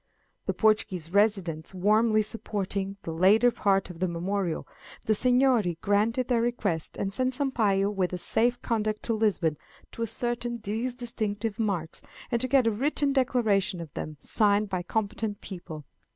The Portuguese residents warmly supporting the latter part of the memorial, the Seignory granted their request, and sent Sampayo with a safe conduct to Lisbon to ascertain these distinctive marks, and to get a written declaration of them signed by competent people.